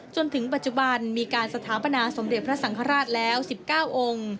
จนถึงปัจจุบันมีการสถาปนาสมเด็จพระสังฆราชแล้ว๑๙องค์